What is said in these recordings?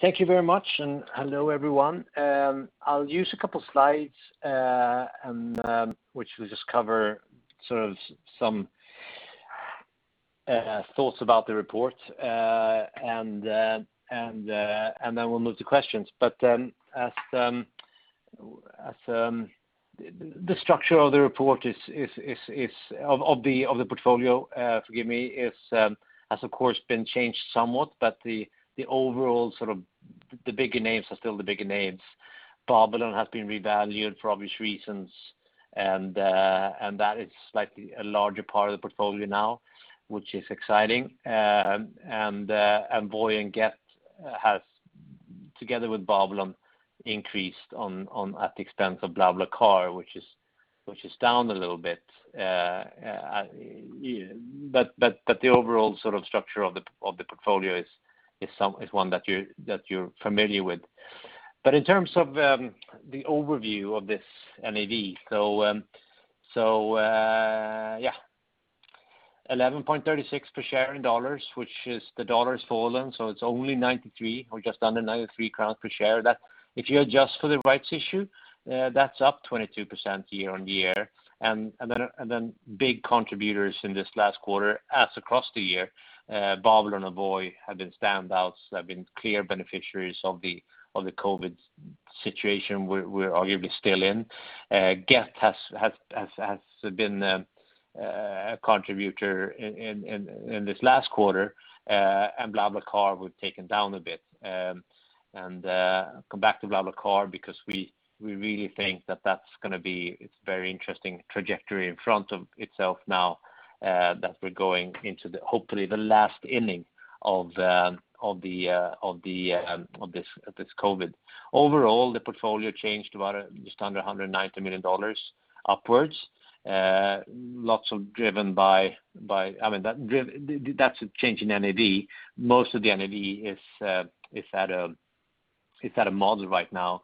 Thank you very much, and hello, everyone. I'll use a couple of slides which will just cover some thoughts about the report, and then we'll move to questions. The structure of the portfolio has, of course, been changed somewhat, but the overall bigger names are still the bigger names. Babylon has been revalued for obvious reasons, and that is slightly a larger part of the portfolio now, which is exciting. Voi and Gett have, together with Babylon, increased at the expense of BlaBlaCar, which is down a little bit. The overall structure of the portfolio is one that you're familiar with. In terms of the overview of this NAV, so $11.36 per share, which the dollar has fallen, so it's only 93 or just under 93 crowns per share. If you adjust for the rights issue, that's up 22% year-on-year. Big contributors in this last quarter, as across the year, Babylon and Voi have been standouts, have been clear beneficiaries of the COVID situation we're arguably still in. Gett has been a contributor in this last quarter, and BlaBlaCar we've taken down a bit. Come back to BlaBlaCar because we really think that's going to be a very interesting trajectory in front of itself now that we're going into, hopefully, the last inning of this COVID. Overall, the portfolio changed about just under $190 million upwards. That's a change in NAV. Most of the NAV is mark-to-model right now.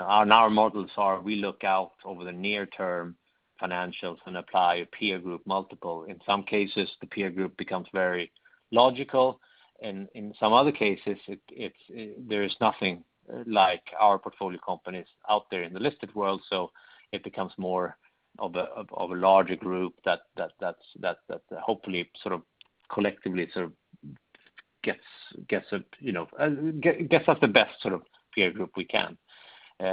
Our models are we look out over the near-term financials and apply a peer group multiple. In some cases, the peer group becomes very logical, and in some other cases, there is nothing like our portfolio companies out there in the listed world, so it becomes more of a larger group that hopefully, collectively gets us the best peer group we can. We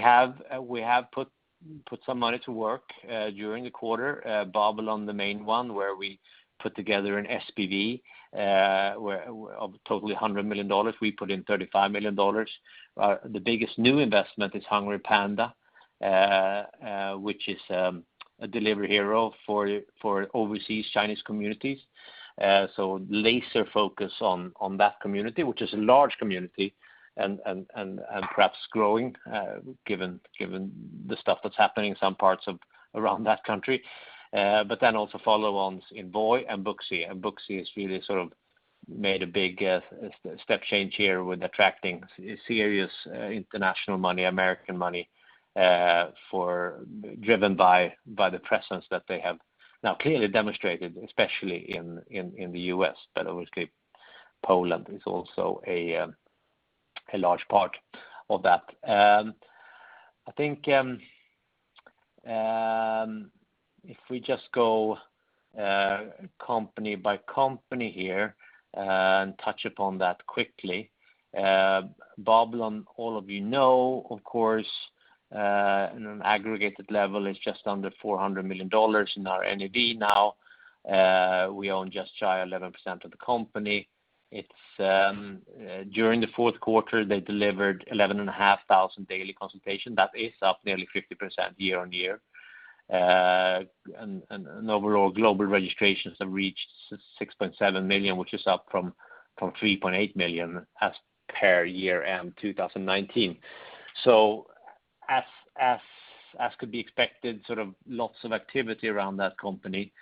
have put some money to work during the quarter. Babylon, the main one, where we put together an SPV of totally $100 million. We put in $35 million. The biggest new investment is HungryPanda, which is a Delivery Hero for overseas Chinese communities. Laser focus on that community, which is a large community and perhaps growing given the stuff that's happening in some parts around that country. Also follow-ons in Voi and Booksy. Booksy has really made a big step change here with attracting serious international money, American money, driven by the presence that they have now clearly demonstrated, especially in the U.S., but obviously Poland is also a large part of that. I think if we just go company by company here and touch upon that quickly. Babylon, all of you know, of course, in an aggregated level, is just under $400 million in our NAV now. We own just shy of 11% of the company. During the fourth quarter, they delivered 11,500 daily consultations. That is up nearly 50% year-on-year. Overall, global registrations have reached 6.7 million, which is up from 3.8 million as per year-end 2019. As could be expected, lots of activity around that company,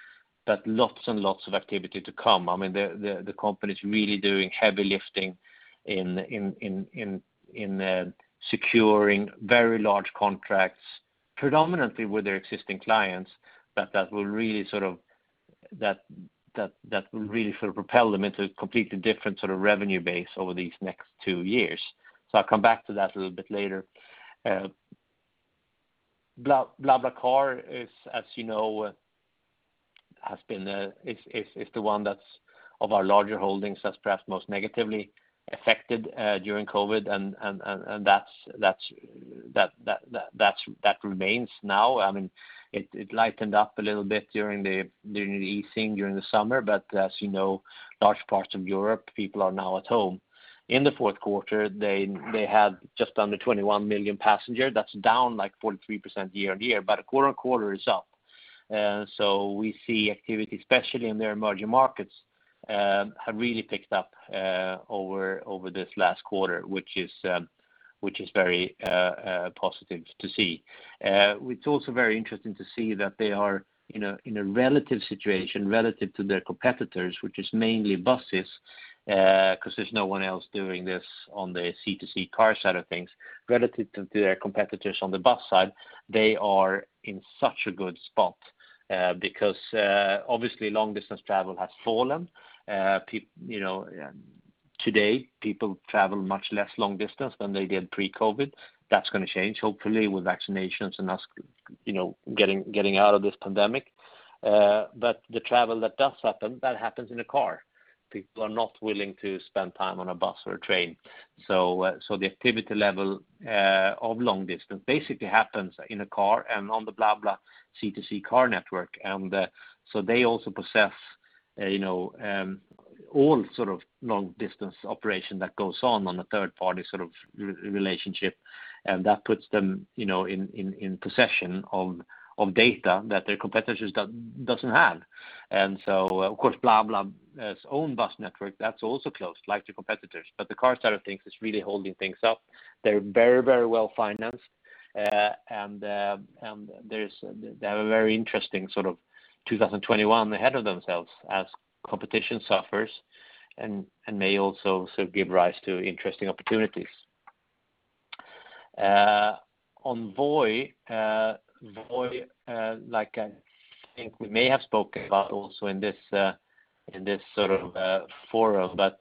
but lots and lots of activity to come. The company's really doing heavy lifting in securing very large contracts, predominantly with their existing clients. That will really propel them into a completely different sort of revenue base over these next two years. I'll come back to that a little bit later. BlaBlaCar, as you know, is the one that of our larger holdings has perhaps most negatively affected during COVID, and that remains now. It lightened up a little bit during the easing during the summer, but as you know, large parts of Europe, people are now at home. In the fourth quarter, they had just under 21 million passengers. That's down like 43% year-on-year, quarter-on-quarter is up. We see activity, especially in their emerging markets, have really picked up over this last quarter, which is very positive to see. It's also very interesting to see that they are in a relative situation, relative to their competitors, which is mainly buses because there's no one else doing this on the C2C car side of things. Relative to their competitors on the bus side, they are in such a good spot because obviously long-distance travel has fallen. Today, people travel much less long distance than they did pre-COVID. That's going to change, hopefully, with vaccinations and us getting out of this pandemic. The travel that does happen, that happens in a car. People are not willing to spend time on a bus or a train. The activity level of long distance basically happens in a car and on the BlaBlaCar C2C car network. They also possess all long-distance operation that goes on a third-party sort of relationship. That puts them in possession of data that their competitors doesn't have. Of course, BlaBla's own bus network, that's also closed, like their competitors. The car side of things is really holding things up. They're very well-financed, and they have a very interesting sort of 2021 ahead of themselves as competition suffers and may also give rise to interesting opportunities. On Voi. Voi, I think we may have spoken about also in this sort of forum, but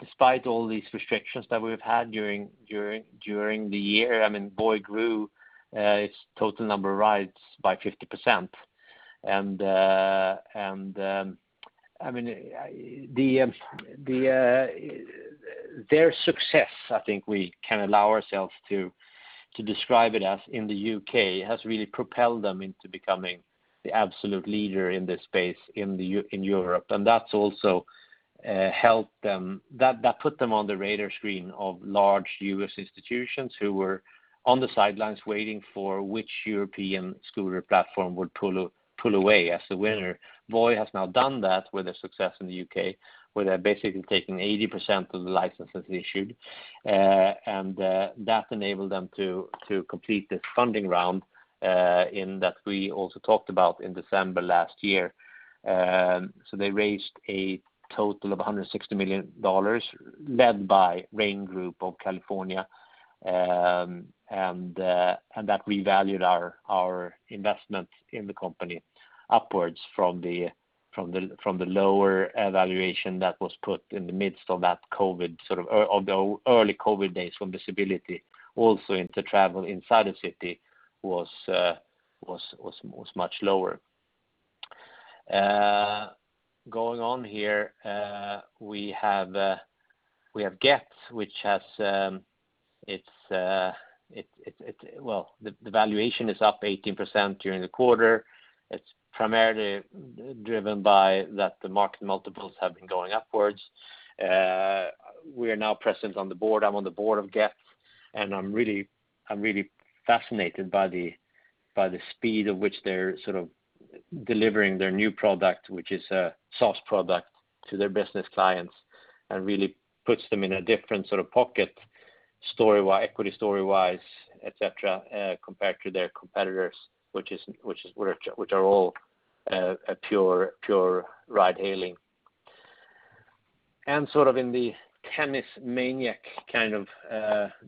despite all these restrictions that we've had during the year, Voi grew its total number of rides by 50%. Their success, I think we can allow ourselves to describe it as in the U.K., has really propelled them into becoming the absolute leader in this space in Europe. That put them on the radar screen of large U.S. institutions who were on the sidelines waiting for which European scooter platform would pull away as the winner. Voi has now done that with their success in the U.K., where they're basically taking 80% of the licenses issued. That enabled them to complete this funding round that we also talked about in December last year. They raised a total of $160 million led by Raine Group of California, and that revalued our investment in the company upwards from the lower valuation that was put in the midst of the early COVID days when visibility also into travel inside the city was much lower. Going on here, we have Gett, the valuation is up 18% during the quarter. It's primarily driven by that the market multiples have been going upwards. We are now present on the board. I'm on the board of Gett. I'm really fascinated by the speed of which they're delivering their new product, which is a SaaS product to their business clients and really puts them in a different sort of pocket, equity story-wise, et cetera, compared to their competitors which are all pure ride hailing. Sort of in the tennis maniac kind of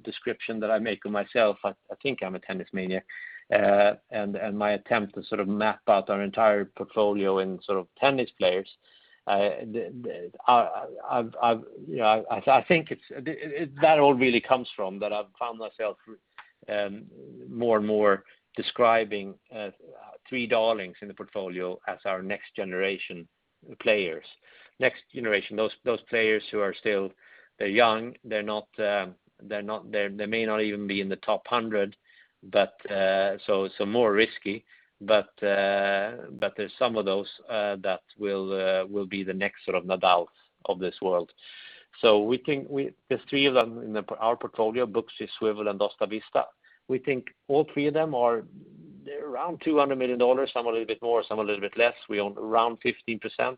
description that I make of myself, I think I'm a tennis maniac, and my attempt to map out our entire portfolio in tennis players, that all really comes from that I've found myself more and more describing three darlings in the portfolio as our next generation players. Next generation those players who are still young, they may not even be in the top 100, so more risky, but there's some of those that will be the next sort of Nadals of this world. There's three of them in our portfolio, Booksy, Swvl, and Dostavista. We think all three of them are around $200 million, some a little bit more, some a little bit less. We own around 15%.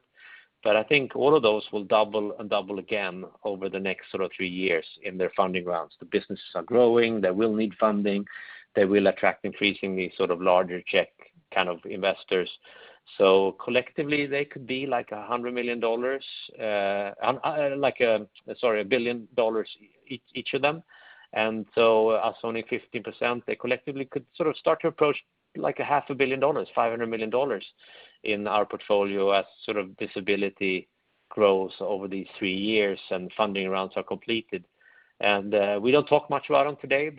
I think all of those will double and double again over the next three years in their funding rounds. The businesses are growing. They will need funding. They will attract increasingly larger check kind of investors. Collectively, they could be like $100 million, sorry, $1 billion each of them. Us owning 15%, they collectively could start to approach half a billion dollars, $500 million in our portfolio as visibility grows over these three years and funding rounds are completed. We don't talk much about them today,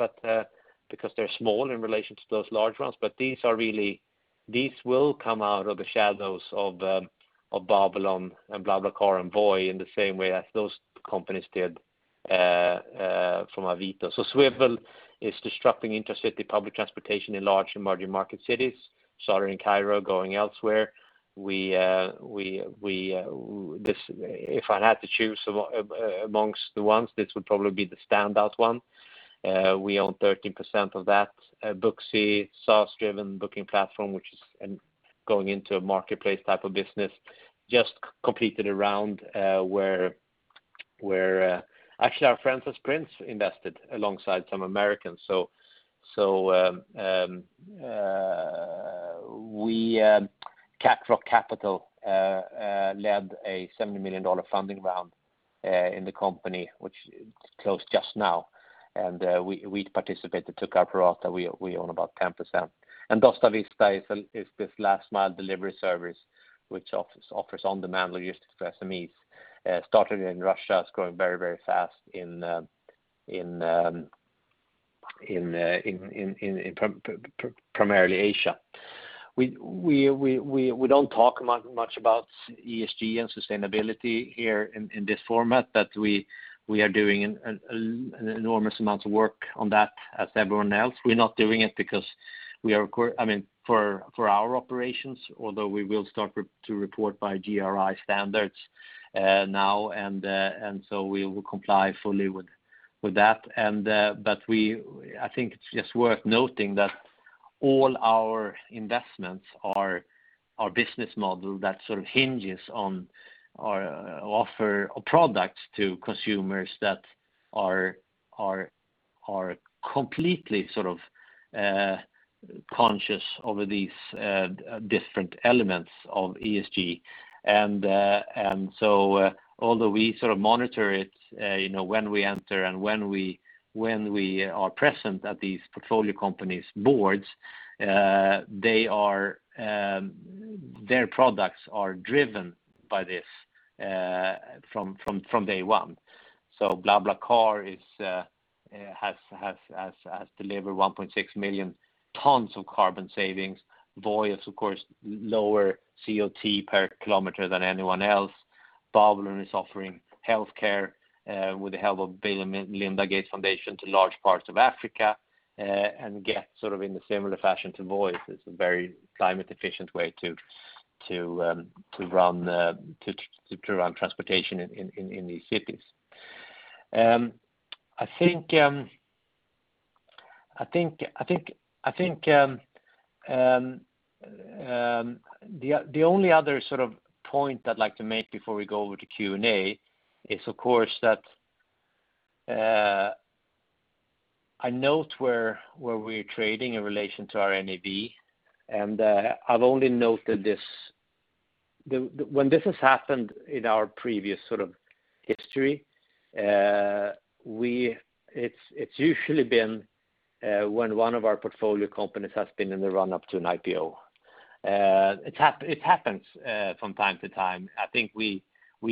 because they're small in relation to those large ones, but these will come out of the shadows of Babylon and BlaBlaCar and Voi in the same way as those companies did from Avito. Swvl is disrupting intercity public transportation in large emerging market cities, starting in Cairo, going elsewhere. If I had to choose amongst the ones, this would probably be the standout one. We own 13% of that. Booksy, SaaS-driven booking platform, which is going into a marketplace type of business, just completed a round where actually our friends at Sprints invested alongside some Americans. Cat Rock Capital led a SEK 70 million funding round in the company which closed just now, and we participated, took our pro rata. We own about 10%. Dostavista is this last mile delivery service which offers on-demand logistics for SMEs. Started in Russia, it's growing very fast in primarily Asia. We don't talk much about ESG and sustainability here in this format, but we are doing an enormous amount of work on that as everyone else. We're not doing it because we are, I mean, for our operations, although we will start to report by GRI standards now. We will comply fully with that. I think it's just worth noting that all our investments are business model that sort of hinges on our offer or product to consumers that are completely sort of conscious over these different elements of ESG. Although we sort of monitor it when we enter and when we are present at these portfolio companies' boards, their products are driven by this from day one. BlaBlaCar has delivered 1.6 million tons of carbon savings. Voi is, of course, lower CO2 per kilometer than anyone else. Babylon is offering healthcare with the help of Bill & Melinda Gates Foundation to large parts of Africa. Gett sort of in the similar fashion to Voi, it's a very climate efficient way to run transportation in these cities. I think the only other sort of point I'd like to make before we go over to Q&A is, of course, that I note where we're trading in relation to our NAV, and I've only noted this, when this has happened in our previous sort of history, it's usually been when one of our portfolio companies has been in the run up to an IPO. It happens from time to time. I think we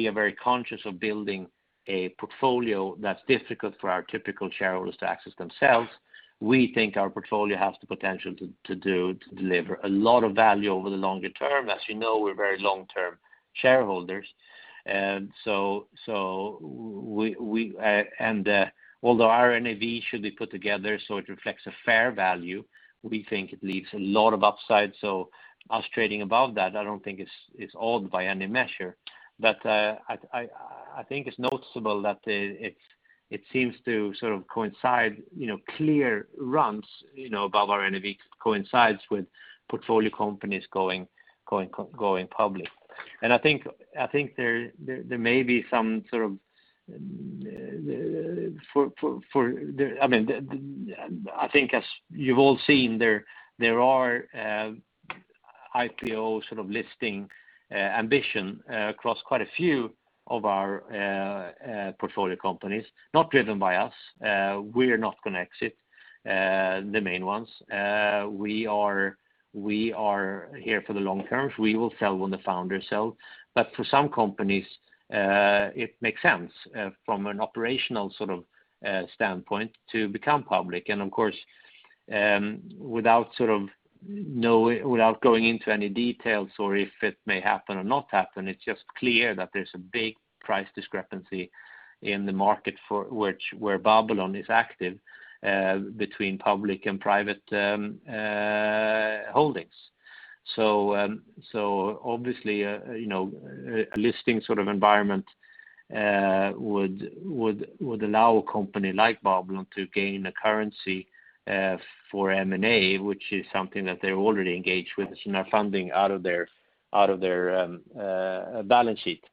are very conscious of building a portfolio that's difficult for our typical shareholders to access themselves. We think our portfolio has the potential to deliver a lot of value over the longer term. As you know, we're very long-term shareholders. Although our NAV should be put together so it reflects a fair value, we think it leaves a lot of upside. Us trading above that, I don't think it's odd by any measure. I think it's noticeable that it seems to sort of coincide clear runs above our NAV coincides with portfolio companies going public. I think there may be some sort of I think as you've all seen, there are IPO sort of listing ambition across quite a few of our portfolio companies, not driven by us. We're not going to exit the main ones. We are here for the long term. We will sell when the founders sell. For some companies, it makes sense from an operational sort of standpoint to become public. Of course, without going into any details or if it may happen or not happen, it's just clear that there's a big price discrepancy in the market where Babylon is active between public and private holdings. Obviously, a listing sort of environment would allow a company like Babylon to gain a currency for M&A, which is something that they're already engaged with now funding out of their balance sheet.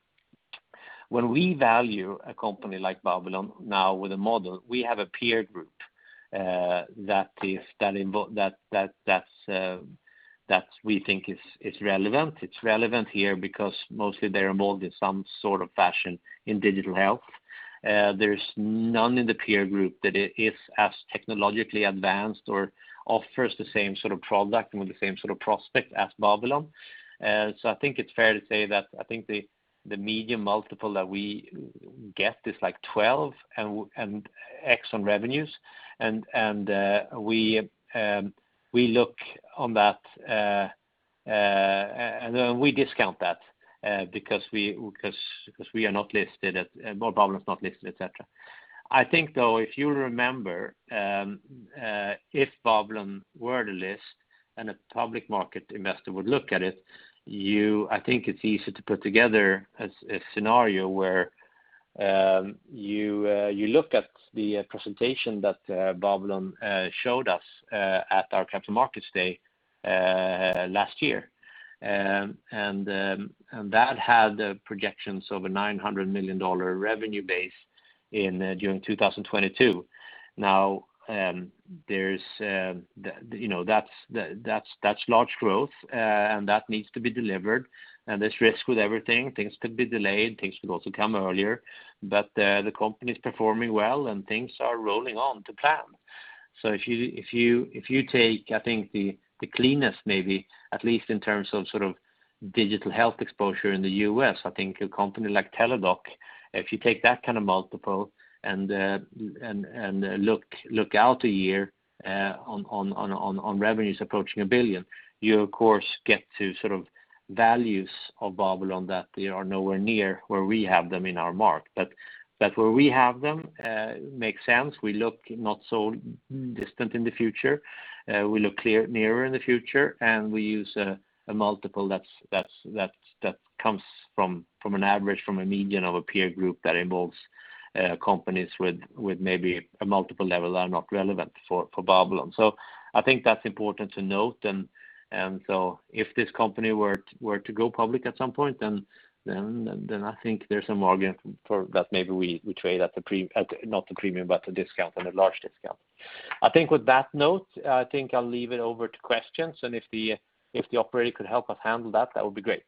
When we value a company like Babylon now with a model, we have a peer group that we think is relevant. It's relevant here because mostly they're involved in some sort of fashion in digital health. There's none in the peer group that is as technologically advanced or offers the same sort of product and with the same sort of prospect as Babylon. I think it's fair to say that I think the median multiple that we get is like 12x on revenues. We look on that, and then we discount that because Babylon's not listed, et cetera. I think, though, if you remember, if Babylon were to list and a public market investor would look at it, I think it's easy to put together a scenario where you look at the presentation that Babylon showed us at our Capital Markets Week last year. That had projections of a $900 million revenue base during 2022. Now, that's large growth and that needs to be delivered, and there's risk with everything. Things could be delayed, things could also come earlier. The company's performing well and things are rolling on to plan. If you take, I think the cleanest maybe, at least in terms of digital health exposure in the U.S., I think a company like Teladoc, if you take that kind of multiple and look out a year on revenues approaching $1 billion, you of course get to values of Babylon that they are nowhere near where we have them in our mark. Where we have them makes sense. We look not so distant in the future. We look nearer in the future, and we use a multiple that comes from an average, from a median of a peer group that involves companies with maybe a multiple level that are not relevant for Babylon. I think that's important to note. If this company were to go public at some point, then I think there's some argument that maybe we trade at, not a premium, but a discount and a large discount. I think with that note, I think I'll leave it over to questions, and if the operator could help us handle that would be great.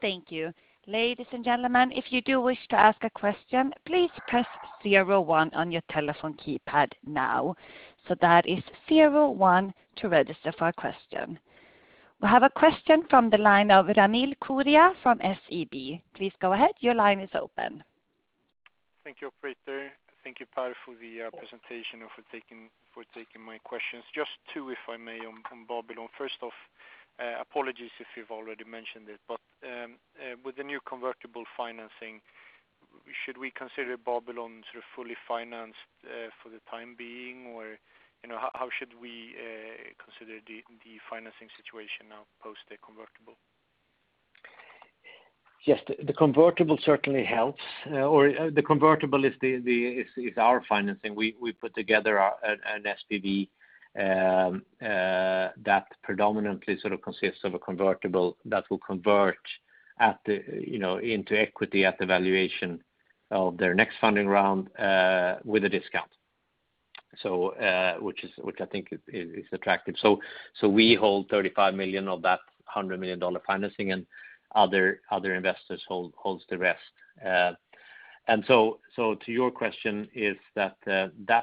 Thank you. Ladies and gentlemen, if you do wish to ask a question, please press zero one on your telephone keypad now. That is zero one to register for a question. We have a question from the line of Ramil Koria from SEB. Please go ahead. Your line is open. Thank you, operator. Thank you, Per, for the presentation and for taking my questions. Just two, if I may, on Babylon. First off, apologies if you've already mentioned it, with the new convertible financing, should we consider Babylon fully financed for the time being? How should we consider the financing situation now post the convertible? Yes, the convertible certainly helps, or the convertible is our financing. We put together an SPV that predominantly consists of a convertible that will convert into equity at the valuation of their next funding round with a discount, which I think is attractive. We hold $35 million of that $100 million financing, and other investors holds the rest. To your question, is that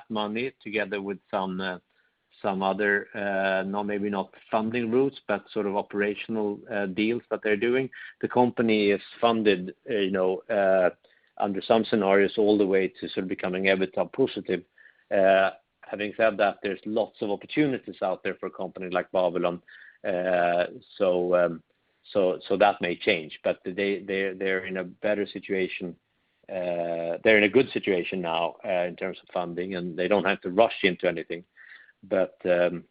money together with some other, maybe not funding rounds, but sort of operational deals that they're doing, the company is funded under some scenarios all the way to sort of becoming EBITDA positive. Having said that, there's lots of opportunities out there for a company like Babylon. That may change. They're in a good situation now in terms of funding, and they don't have to rush into anything. There's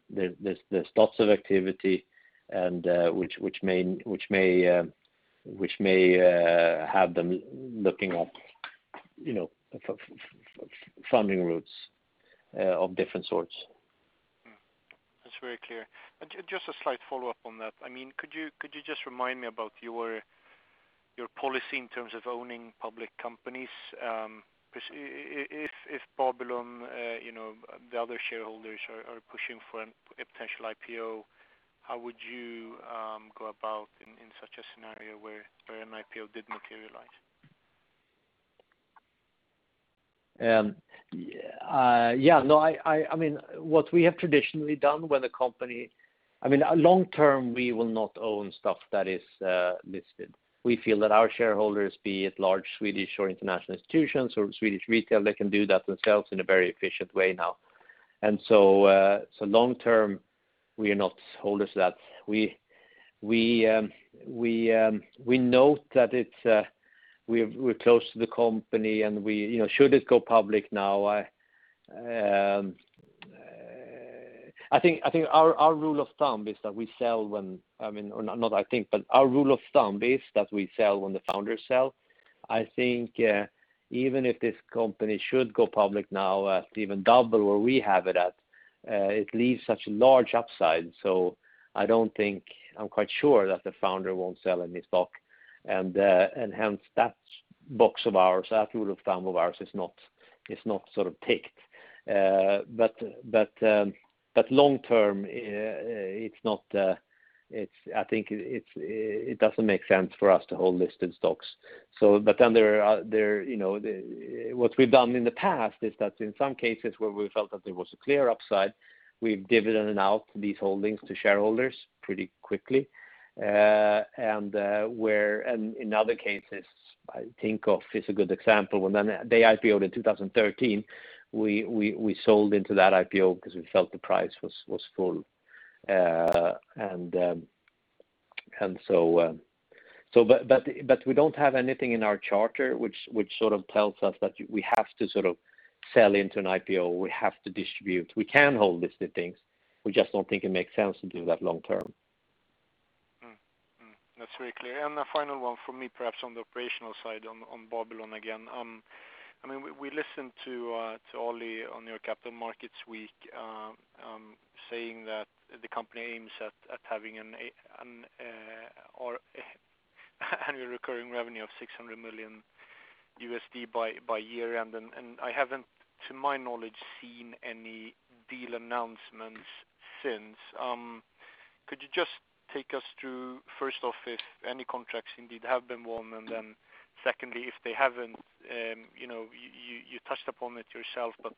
lots of activity which may have them looking up funding rounds of different sorts. That's very clear. Just a slight follow-up on that. Could you just remind me about your policy in terms of owning public companies? If Babylon, the other shareholders are pushing for a potential IPO, how would you go about in such a scenario where an IPO did materialize? What we have traditionally done when a company long term, we will not own stuff that is listed. We feel that our shareholders, be it large Swedish or international institutions or Swedish retail, they can do that themselves in a very efficient way now. Long term, we are not holders. We note that we're close to the company, and should it go public now, our rule of thumb is that we sell when the founders sell. I think even if this company should go public now at even double where we have it at, it leaves such a large upside. I'm quite sure that the founder won't sell any stock, and hence that box of ours, that rule of thumb of ours is not ticked. Long term, I think it doesn't make sense for us to hold listed stocks. What we've done in the past is that in some cases where we felt that there was a clear upside, we've dividended out these holdings to shareholders pretty quickly. In other cases, I think Avito is a good example, when they IPO-ed in 2013, we sold into that IPO because we felt the price was full. We don't have anything in our charter which sort of tells us that we have to sell into an IPO, or we have to distribute. We can hold listed things. We just don't think it makes sense to do that long term. That's very clear. A final one from me, perhaps on the operational side on Babylon again. We listened to Ali on your Capital Markets Week, saying that the company aims at having an annual recurring revenue of $600 million by year-end. I haven't, to my knowledge, seen any deal announcements since. Could you just take us through, first off, if any contracts indeed have been won? Then secondly, if they haven't, you touched upon it yourself, but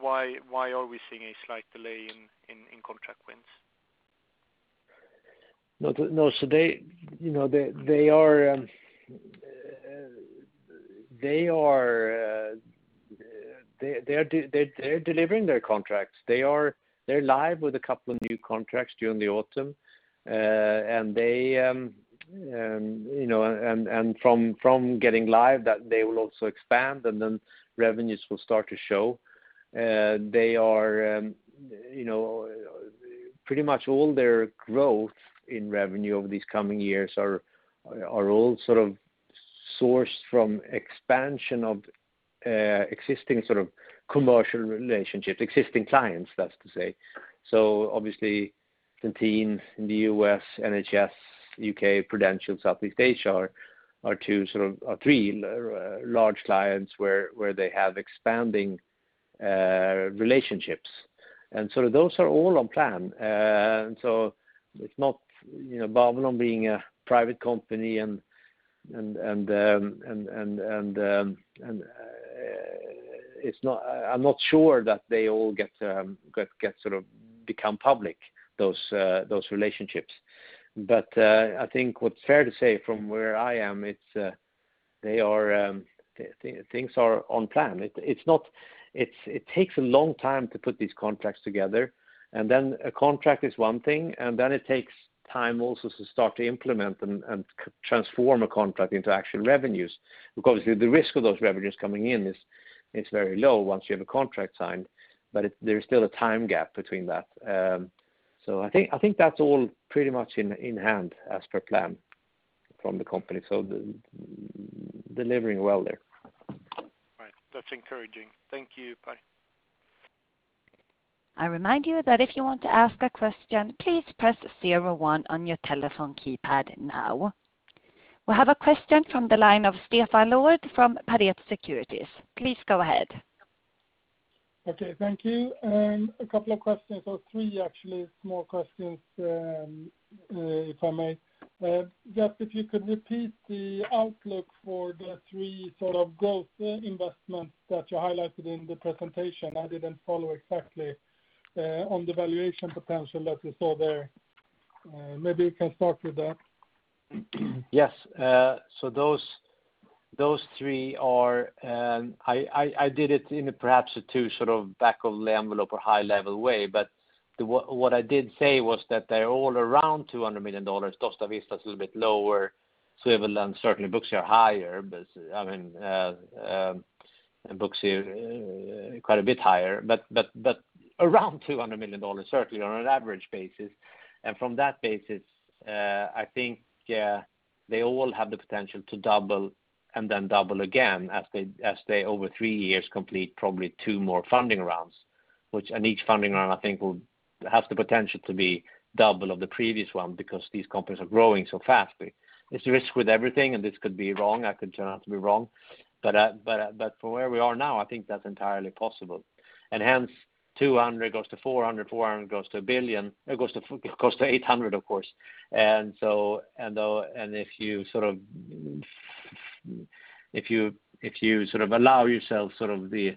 why are we seeing a slight delay in contract wins? No. They're delivering their contracts. They're live with a couple of new contracts during the autumn. From getting live, they will also expand, and then revenues will start to show. Pretty much all their growth in revenue over these coming years are all sourced from expansion of existing commercial relationships, existing clients, that's to say. Obviously Centene in the U.S., NHS U.K., Prudential, Southeast Asia are three large clients where they have expanding relationships. Those are all on plan. It's not Babylon being a private company, I'm not sure that they all become public, those relationships. I think what's fair to say from where I am, things are on plan. It takes a long time to put these contracts together, and then a contract is one thing, and then it takes time also to start to implement and transform a contract into actual revenues. The risk of those revenues coming in is very low once you have a contract signed, but there's still a time gap between that. I think that's all pretty much in hand as per plan from the company, so delivering well there. Right. That's encouraging. Thank you. Bye. I remind you that if you want to ask a question, please press 01 on your telephone keypad now. We have a question from the line of Stefan Wård from Pareto Securities. Please go ahead. Okay. Thank you. A couple of questions or three actually small questions, if I may. Just if you could repeat the outlook for the three growth investments that you highlighted in the presentation. I didn't follow exactly on the valuation potential that we saw there. Maybe you can start with that. Yes. Those three are, I did it in a perhaps a too back-of-the-envelope or high-level way, but what I did say was that they're all around $200 million. Dostavista is a little bit lower. Swvl and Booksy are higher. I mean, in Booksy, quite a bit higher, but around $200 million, certainly on an average basis. From that basis, I think, yeah, they all have the potential to double and then double again as they, over three years, complete probably two more funding rounds, which in each funding round, I think will have the potential to be double of the previous one because these companies are growing so fast. It's a risk with everything, and this could be wrong. I could turn out to be wrong. For where we are now, I think that's entirely possible. Hence 200 goes to 400 goes to 800, of course. If you allow yourself the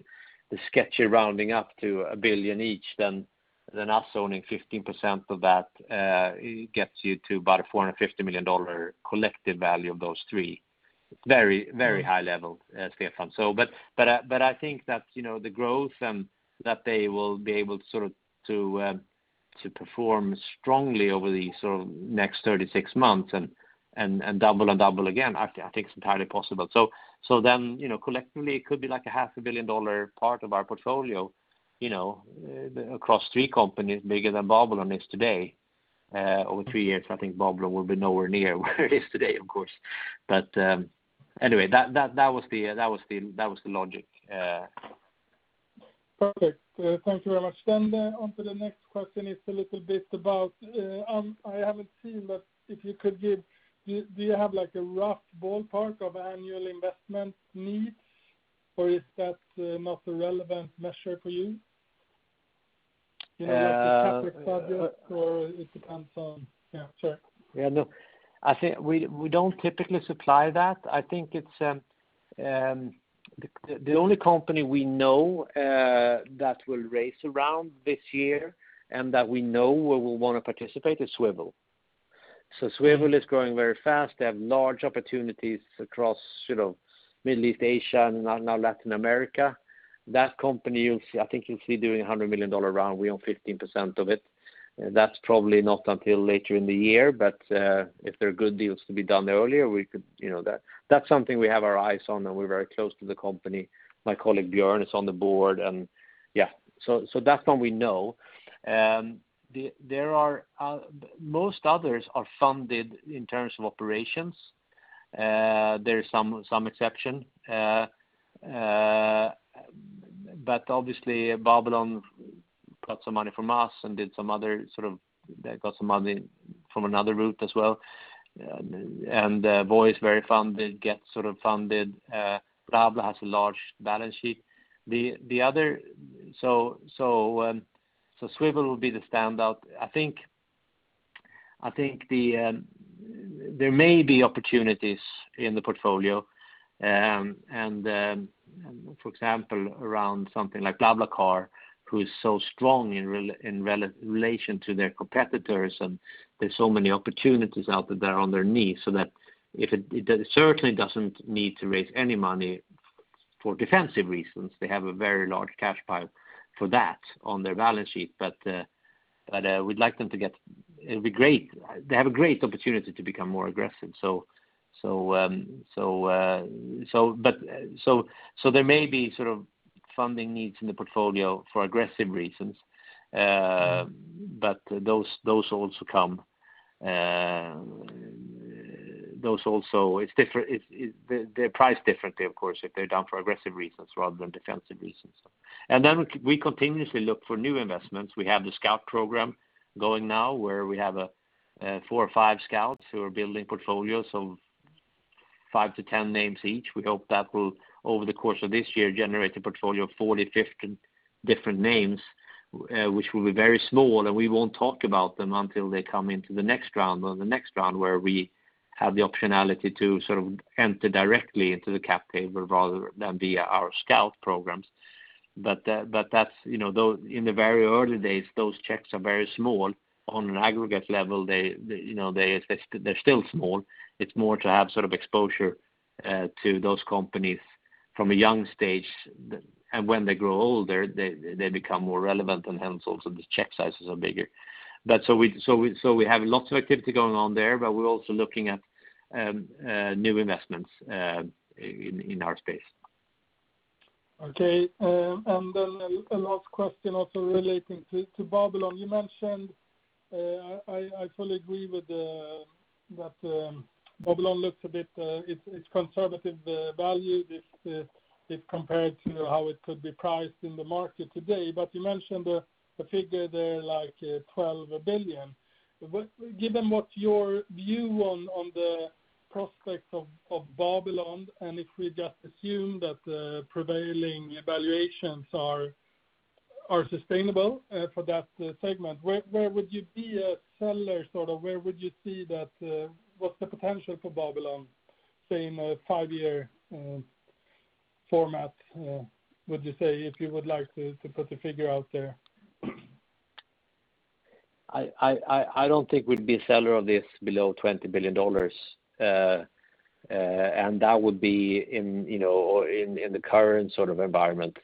sketchy rounding up to a $1 billion each, then us owning 15% of that gets you to about a $450 million collective value of those three. Very high level, Stefan. I think that the growth and that they will be able to perform strongly over the next 36 months and double and double again, I think it's entirely possible. Collectively, it could be like a half a billion-dollar part of our portfolio across three companies bigger than Babylon is today. Over three years, I think Babylon will be nowhere near where it is today, of course. Anyway, that was the logic. Perfect. Thank you very much. Onto the next question is a little bit about, I haven't seen, but if you could give, do you have a rough ballpark of annual investment needs, or is that not a relevant measure for you, like the CapEx budget, or it depends on? Yeah, sure. I think we don't typically supply that. The only company we know that will raise a round this year and that we know we will want to participate is Swvl. Swvl is growing very fast. They have large opportunities across Middle East, Asia, and now Latin America. That company, I think you'll see doing $100 million round. We own 15% of it. That's probably not until later in the year, but if there are good deals to be done earlier, that's something we have our eyes on and we're very close to the company. My colleague, Björn, is on the board. That's one we know. Most others are funded in terms of operations. There is some exception. Obviously Babylon got some money from us and got some money from another route as well. Voi is very funded, Gett funded. BlaBla has a large balance sheet. Swvl will be the standout. I think there may be opportunities in the portfolio, for example, around something like BlaBlaCar, who is so strong in relation to their competitors, and there is so many opportunities out there. They are on their knees. It certainly does not need to raise any money for defensive reasons. They have a very large cash pile for that on their balance sheet. They have a great opportunity to become more aggressive. There may be funding needs in the portfolio for aggressive reasons. Those also come. They are priced differently, of course, if they are done for aggressive reasons rather than defensive reasons. We continuously look for new investments. We have the scout program going now, where we have four or five scouts who are building portfolios of 5-10 names each. We hope that will, over the course of this year, generate a portfolio of 40, 50 different names, which will be very small, and we won't talk about them until they come into the next round or the next round, where we have the optionality to enter directly into the cap table rather than via our scout programs. In the very early days, those checks are very small. On an aggregate level, they're still small. It's more to have exposure to those companies from a young stage. When they grow older, they become more relevant, and hence also the check sizes are bigger. We have lots of activity going on there, but we're also looking at new investments in our space. Okay. A last question also relating to Babylon. I fully agree that Babylon looks a bit conservative value if compared to how it could be priced in the market today. You mentioned a figure there, like 12 billion. Given what your view on the prospects of Babylon, and if we just assume that the prevailing valuations are sustainable for that segment, where would you be a seller? What's the potential for Babylon, say, in a five-year format, would you say? If you would like to put the figure out there. I don't think we'd be a seller of this below $20 billion. That would be in the current sort of environment.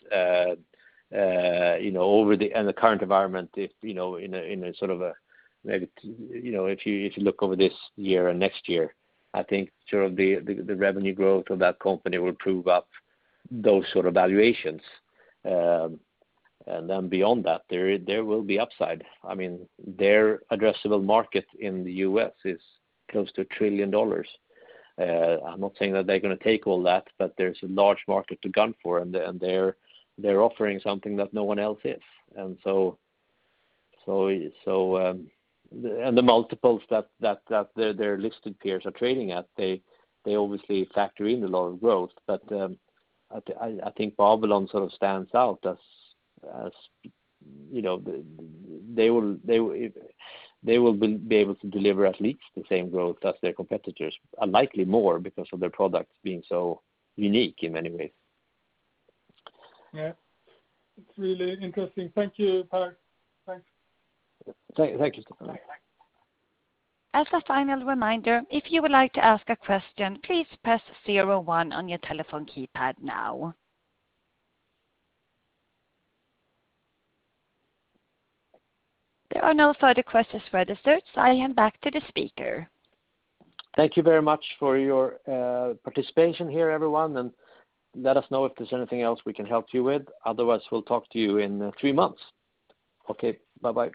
If you look over this year and next year, I think the revenue growth of that company will prove up those sort of valuations. Then beyond that, there will be upside. Their addressable market in the U.S. is close to $1 trillion. I'm not saying that they're going to take all that, but there's a large market to gun for, and they're offering something that no one else is. The multiples that their listed peers are trading at, they obviously factor in a lot of growth. I think Babylon sort of stands out as they will be able to deliver at least the same growth as their competitors, and likely more because of their products being so unique in many ways. Yeah. It's really interesting. Thank you, Per. Thanks. Thank you. As a final reminder, if you would like to ask a question, please press zero one on your telephone keypad now. There are no further questions registered. I hand back to the speaker. Thank you very much for your participation here, everyone, and let us know if there is anything else we can help you with. Otherwise, we will talk to you in three months. Okay. Bye-bye.